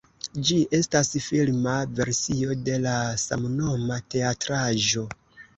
Ĝi estas filma versio de la samnoma teatraĵo.